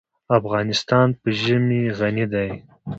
افغانستان په ژمی غني دی.